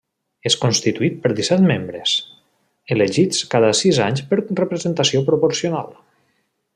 És constituït per disset membres, elegits cada sis anys per representació proporcional.